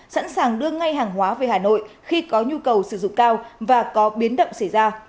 sẵn sàng đưa ngay hàng hóa về hà nội khi có nhu cầu sử dụng cao và có biến động xảy ra